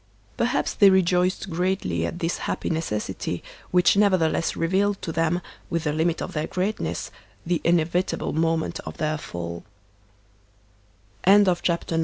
Per haps they rejoiced greatly at this happy necessity, which nevertheless revealed to them, with the limit of their greatness, the inevitable moment of their falL CHAPTER X.